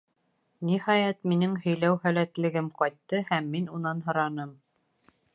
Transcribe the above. Ниһәйәт, минең һөйләү һәләтлегем ҡайтты һәм мин унан һораным: